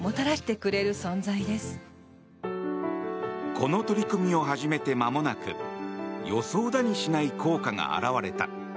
この取り組みを始めてまもなく予想だにしない効果が表れた。